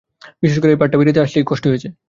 বিশেষ করে এই পার্ট টা তৈরিতে আসলেই কষ্ট হয়েছে।